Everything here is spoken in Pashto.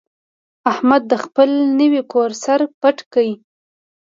احمد د خپل نوي کور سر پټ کړ.